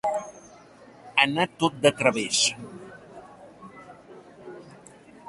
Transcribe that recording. Anar tot de través.